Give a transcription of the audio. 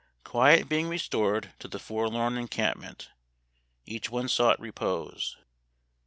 " Quiet being restored to the forlorn encamp ment, each one sought repose.